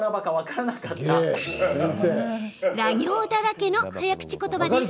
ら行だらけの早口ことばです。